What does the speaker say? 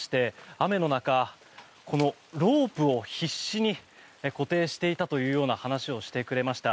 雨の中、ロープを必死に固定していたというような話をしてくれました。